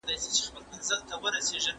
احمد پر کټ بېدېدی.